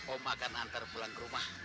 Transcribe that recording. om akan antar pulang ke rumah